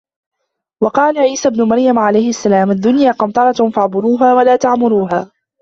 وَقَالَ عِيسَى ابْنُ مَرْيَمَ عَلَيْهِ السَّلَامُ الدُّنْيَا قَنْطَرَةٌ فَاعْبُرُوهَا وَلَا تَعْمُرُوهَا